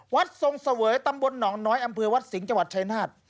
วัดทรงเสวยตำบลหนองน้อยอำเภอวัดสิงห์จชัยนาธ